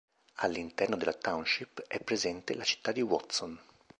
All'interno della township è presente la città di Watson.